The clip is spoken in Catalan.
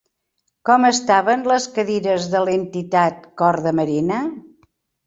Com estaven les cadires de l'entitat Cor de Marina?